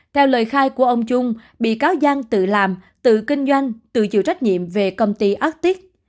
theo lời khai của ông trung bị cáo giang tự làm tự kinh doanh tự chịu trách nhiệm về công ty astic